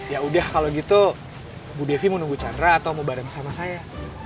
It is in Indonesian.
yaudah kalau gitu bu devi mau nunggu chandra atau mau bareng sama saya